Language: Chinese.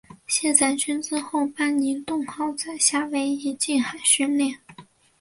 卸载军资后班宁顿号在夏威夷近海训练。